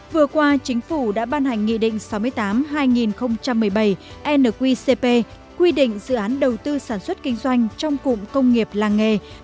vừa qua chính phủ đã ban hành nghị định sáu mươi tám hai nghìn một mươi bảy nqcp quy định dự án đầu tư sản xuất kinh doanh trong cụm công nghiệp làng nghề